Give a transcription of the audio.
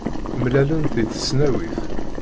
Mlalent deg tesnawit.